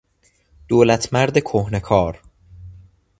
دولتمرد کهنه کار